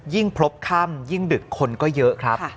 พรบค่ำยิ่งดึกคนก็เยอะครับ